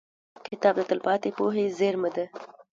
• کتاب د تلپاتې پوهې زېرمه ده.